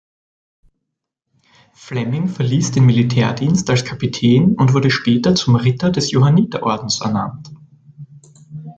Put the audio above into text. Flemming verließ den Militärdienst als Kapitän und wurde später zum Ritter des Johanniterordens ernannt.